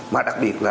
mà đặc biệt là